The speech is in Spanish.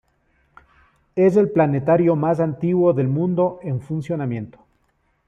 Es el planetario más antiguo del mundo en funcionamiento.